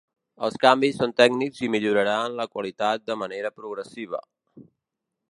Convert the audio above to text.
Els canvis són tècnics i milloraran la qualitat de manera progressiva.